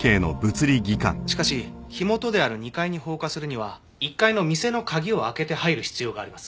しかし火元である２階に放火するには１階の店の鍵を開けて入る必要があります。